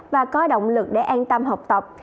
và có động lực để an tâm học tập